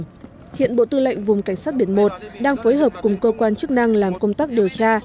hiện bộ tư lệnh vùng cảnh sát biển một đang phối hợp cùng cơ quan chức năng làm công tác điều tra